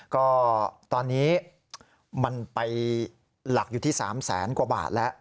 ก็ตอนนี้มันไปหลักอยู่ที่๓แสนกว่าบาทแล้ว